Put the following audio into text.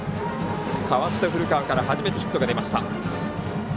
代わって古川から初めてヒットが出ました。